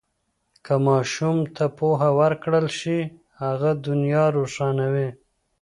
که ماشوم ته پوهه ورکړل شي، هغه دنیا روښانوي.